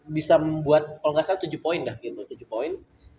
bisa membuat kalau nggak salah tujuh poin dah gitu tujuh poin